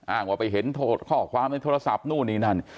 ว่าไปเห็นโทษข้อความในโทรศัพท์นู่นนี่นั่น